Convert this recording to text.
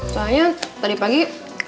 soalnya tadi pagi